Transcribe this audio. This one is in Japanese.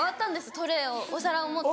トレーをお皿を持って。